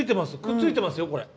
くっついてますよこれ。